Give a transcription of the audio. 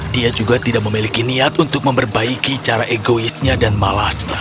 dia juga tidak memiliki niat untuk memperbaiki cara egoisnya dan malasnya